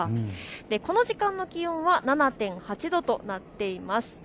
この時間の気温は７．８度となっています。